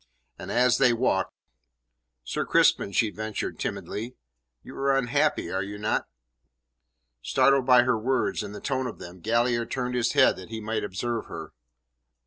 And as they walked: "Sir Crispin," she ventured timidly, "you are unhappy, are you not?" Startled by her words and the tone of them, Galliard turned his head that he might observe her.